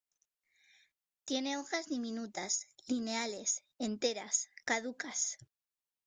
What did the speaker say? Tiene hojas diminutas, lineales, enteras, caducas.